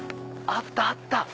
あったあった！